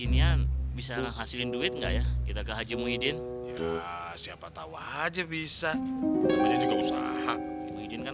ini bisa menghasilkan duit enggak ya kita ke haji muhyiddin siapa tahu aja bisa usaha